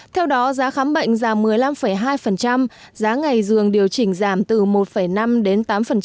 theo đó giá khám bệnh giảm một mươi năm hai giá ngày dường điều chỉnh giảm từ một năm đến tám